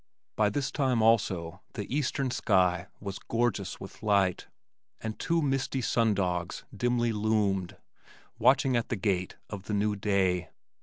By this time also the eastern sky was gorgeous with light, and two misty "sun dogs" dimly loomed, watching at the gate of the new day.